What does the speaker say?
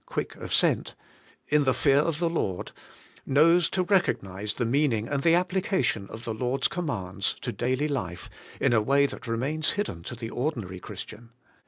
quick of scent) in the fear of the Lord,' knows to recognize the meaning and the appli cation of the Lord's commands to daily life in a way that remains hidden to the ordinary Christian.